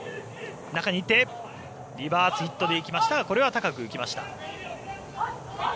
中に行ってリバースヒットで行きましたがこれは高く浮きました。